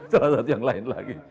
salah satu yang lain lagi